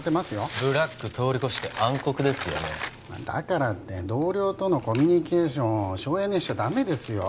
ブラックとおりこして暗黒ですよねだからって同僚とのコミュニケーションを省エネしちゃダメですよ